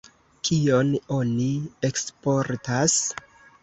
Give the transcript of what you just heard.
Kion oni eksportas?